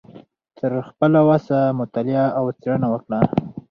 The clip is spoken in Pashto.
تر خپله وسه مطالعه او څیړنه وکړه